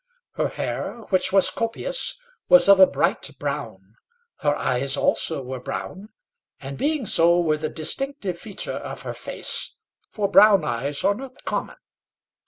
Her hair, which was copious, was of a bright brown; her eyes also were brown, and, being so, were the distinctive feature of her face, for brown eyes are not common.